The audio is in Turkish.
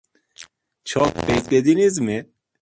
Çok beklediniz mi?